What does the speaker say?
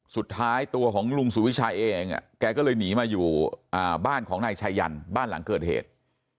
สุดท้ายตัวของลุงสุวิชาเองแกก็เลยหนีมาอยู่บ้านของนายชายันบ้านหลังเกิดเหตุ